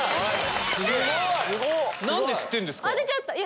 すごい！何で知ってるんですか？